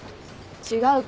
違うから。